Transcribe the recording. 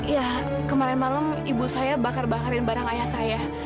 ya kemarin malam ibu saya bakar bakarin barang ayah saya